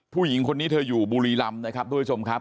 ผู้หญิงคนนี้เธออยู่บุรีรำนะครับทุกผู้ชมครับ